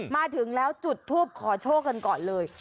มาถึงแล้วจุดทูปขอโชคกันก่อนเลย